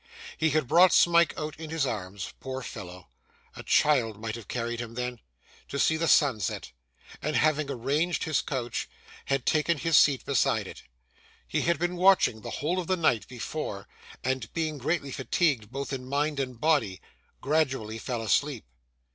He had brought Smike out in his arms poor fellow! a child might have carried him then to see the sunset, and, having arranged his couch, had taken his seat beside it. He had been watching the whole of the night before, and being greatly fatigued both in mind and body, gradually fell asleep.